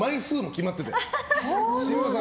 決まってて。